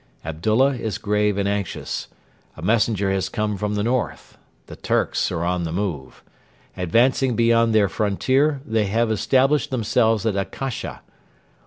Abdullah is grave and anxious. A messenger has come from the north. The Turks are on the move. Advancing beyond their frontier, they have established themselves at Akasha.